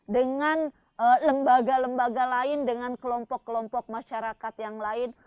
dengan lembaga lembaga lain dengan kelompok kelompok masyarakat yang lain